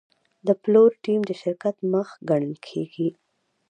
د پلور ټیم د شرکت مخ ګڼل کېږي.